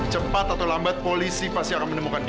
cepat atau lambat polisi pasti akan menemukan